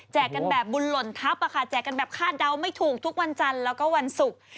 กันแบบบุญหล่นทัพแจกกันแบบคาดเดาไม่ถูกทุกวันจันทร์แล้วก็วันศุกร์